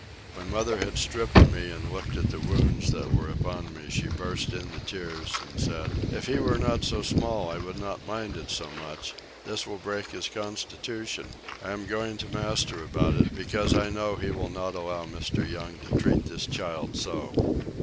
When mother had stripped me and looked at the wounds that were upon me she burst into tears, and said, "If he were not so small I would not mind it so much; this will break his constitution; I am going to master about it, because I know he will not allow Mr. Young to treat this child so."